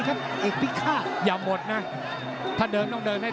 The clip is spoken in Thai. โอ้โอ้โอ้